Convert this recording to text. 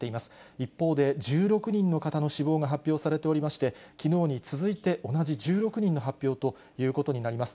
一方で１６人の方の死亡が発表されておりまして、きのうに続いて同じ１６人の発表ということになります。